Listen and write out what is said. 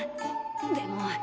でも。